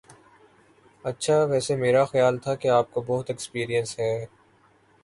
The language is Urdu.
اچھا ویسے میرا خیال تھا کہ آپ کو بہت ایکسپیرینس ہے